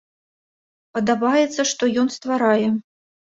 Падабаецца, што ён стварае.